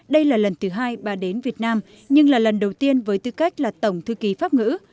đây là lần thứ hai bà đến việt nam nhưng là lần đầu tiên với tư cách là tổng thư ký pháp ngữ